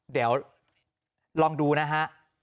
เดี๋ยวลองดูนะฮะ